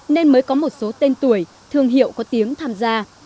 nên mới có một số tên tuổi thương hiệu có tiếng tham gia